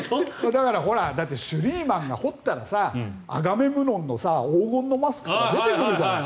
だからシュリーマンが堀ったらアガメムノンの黄金のマスクとか出てくるじゃない。